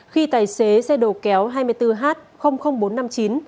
khi tài xế xe đồ kéo hai mươi bốn h bốn trăm năm mươi bảy